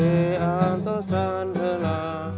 kecimpringnya sama saya